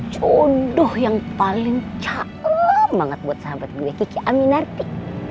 jodoh yang paling caem banget buat sahabat gue kiki aminarti